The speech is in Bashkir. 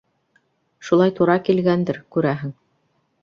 Шулай тура килгәндер, күрәһең.